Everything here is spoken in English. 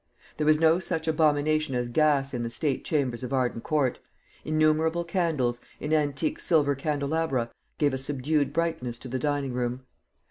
There was no such abomination as gas in the state chambers of Arden Court. Innumerable candles, in antique silver candelabra, gave a subdued brightness to the dining room.